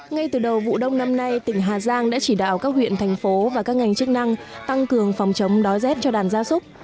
ngay từ đầu vụ đông năm nay tỉnh hà giang đã chỉ đạo các huyện thành phố và các ngành chức năng tăng cường phòng chống đói rét cho đàn gia súc